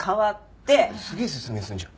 すげえ説明するじゃん。